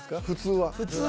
普通は。